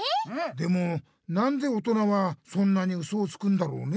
でも何でおとなはそんなにウソをつくんだろうね？